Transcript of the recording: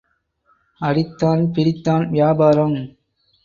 அடித்தான் பிடித்தான் வியாபாரம்.